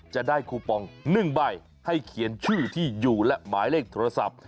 จะได้คูปอง๑ใบให้เขียนชื่อที่อยู่และหมายเลขโทรศัพท์